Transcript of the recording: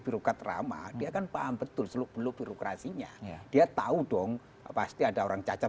birokrat ramah dia kan paham betul seluk beluk birokrasinya dia tahu dong pasti ada orang cacar